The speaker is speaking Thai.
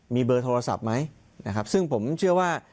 มีเบอร์โทรศัพท์ไหมนะครับซึ่งผมเชื่อว่า